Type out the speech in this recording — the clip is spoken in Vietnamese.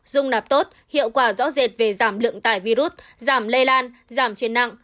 dung nạp tốt hiệu quả rõ rệt về giảm lượng tải virus giảm lây lan giảm trên nặng